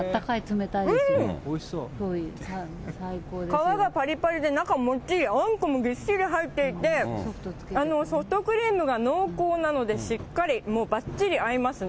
皮がぱりぱりで、中もっちり、あんこもびっしり入っていて、ソフトクリームが濃厚なので、しっかりもうばっちり合いますね。